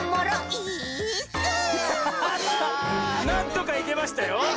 なんとかいけましたよ。